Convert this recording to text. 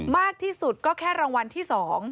มากที่สุดก็แค่รางวัลที่๒